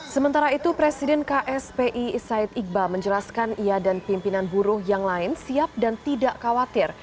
sementara itu presiden kspi said iqbal menjelaskan ia dan pimpinan buruh yang lain siap dan tidak khawatir